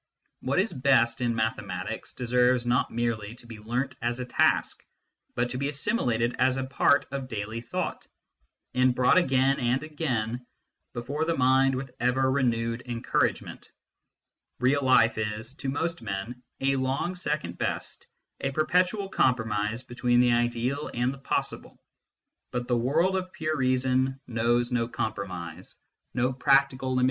What is best in mathematics deserves not merely to be learnt as a task, but to be assimilated as a part of daily thought, and brought again and again before the mind with ever renewed encouragement. Real life is, to most men, a long second best, a perpetual compromise between the ideal and the possible ; but the world of pure reason knows no compromise, no practical limita 1 This passage was pointed out to me by Professor Gilbert Murray.